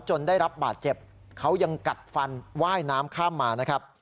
ได้รับบาดเจ็บเขายังกัดฟันว่ายน้ำข้ามมานะครับ